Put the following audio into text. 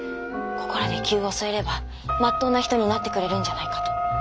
ここらで灸を据えればまっとうな人になってくれるんじゃないかと。